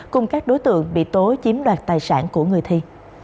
cùng các đối tượng bị tố chiếm đoạt tài sản của người thi